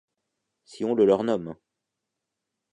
si on le leur nomme.